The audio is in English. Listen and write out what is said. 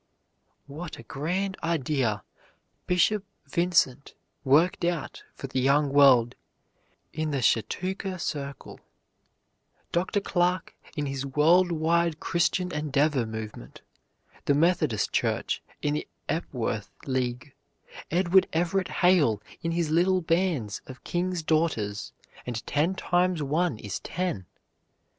What a grand idea Bishop Vincent worked out for the young world in the Chautauqua Circle, Dr. Clark in his world wide Christian Endeavor movement, the Methodist Church in the Epworth League, Edward Everett Hale in his little bands of King's Daughters and Ten Times One is Ten!